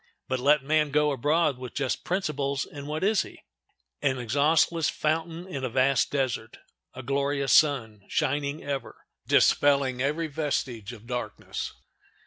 But let man go abroad with just principles, and what is he? An exhaustless fountain in a vast desert! A glorious sun, shining ever, dispelling every vestige of darkness.